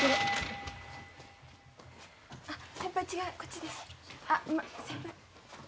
先輩違うこっちです。